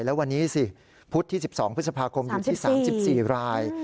แล้ววันนี้สิพุธที่๑๒พฤษภาคมอยู่ที่๓๔ราย